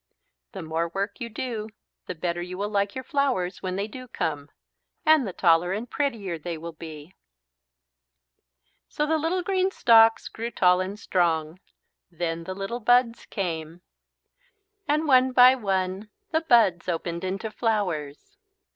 The more work you do the better you will like your flowers when they do come. And the taller and prettier they will be." So the little green stalks grew tall and strong. Then the little buds came. And one by one the buds opened into flowers.